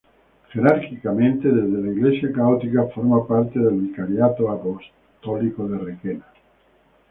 Jerárquicamente desde la Iglesia Católica forma parte del Vicariato Apostólico de Requena.